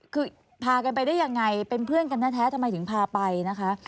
คือพากันไปได้ยังไงเป็นเพื่อนกันแท้ทำไมถึงพาไปนะคะ